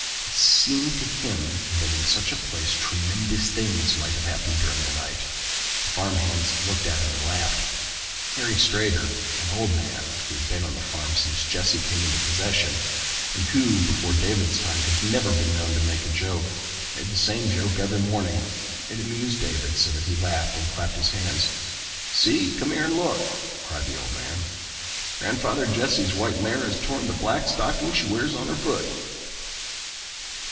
It seemed to him that in such a place tremendous things might have happened during the night. The farm hands looked at him and laughed. Henry Strader, an old man who had been on the farm since Jesse came into possession and who before David's time had never been known to make a joke, made the same joke every morning. It amused David so that he laughed and clapped his hands. "See, come here and look," cried the old man. "Grandfather Jesse's white mare has torn the black stocking she wears on her foot."